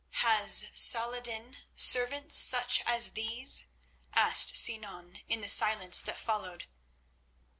"Has Salah ed din servants such as these?" asked Sinan in the silence that followed.